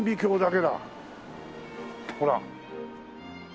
ほら。